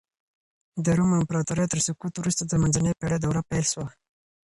د روم امپراطورۍ تر سقوط وروسته د منځنۍ پېړۍ دوره پيل سوه.